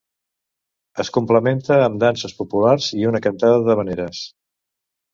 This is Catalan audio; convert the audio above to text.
Es complementa amb danses populars i una cantada d'havaneres.